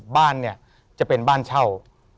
บ้านเนี่ยจะเป็นบ้านเช่า